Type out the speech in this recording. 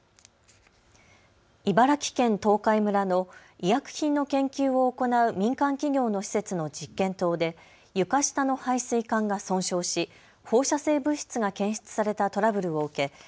茨城県東海村の医薬品の研究を行う民間企業の施設の実験棟で床下の排水管が損傷し放射性物質が検出されたトラブルを受け